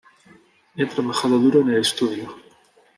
He trabajado duro en el estudio.